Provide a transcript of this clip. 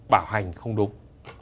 bảo hành không đúng